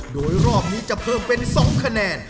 โดยรอบนี้จะเพิ่มเป็น๒คะแนน